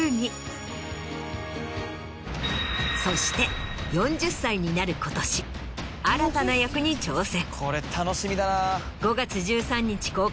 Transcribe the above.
そして４０歳になる今年新たな役に挑戦。